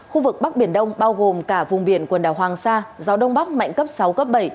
khu vực bắc biển đông bao gồm cả vùng biển quần đảo hoàng sa gió đông bắc mạnh cấp sáu cấp bảy